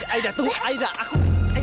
aida tunggu aida aku